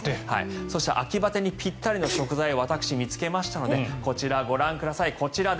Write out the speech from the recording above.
そして秋バテにぴったりの食材を私、見つけましたのでこちらご覧ください。